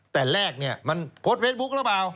แต่แรกเนี่ยมันโพสต์เฟซบุ๊คหรือเปล่า